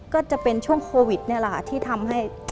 ก็จะเป็นช่วงโควิดนี่แหละค่ะที่ทำให้